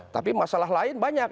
tapi masalah lain banyak